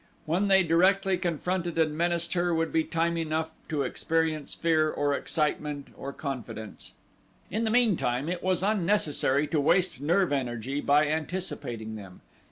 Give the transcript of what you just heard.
When they directly confronted and menaced her would be time enough to experience fear or excitement or confidence. In the meantime it was unnecessary to waste nerve energy by anticipating them.